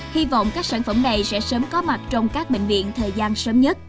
hy vọng các sản phẩm này sẽ sớm có mặt trong các bệnh viện thời gian sớm nhất